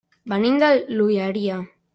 Venim de l'Olleria.